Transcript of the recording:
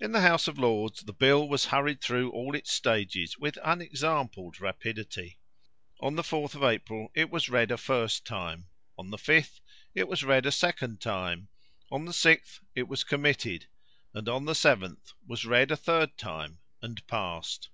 In the House of Lords the bill was hurried through all its stages with unexampled rapidity. On the 4th of April it was read a first time; on the 5th, it was read a second time; on the 6th, it was committed; and on the 7th, was read a third time and passed.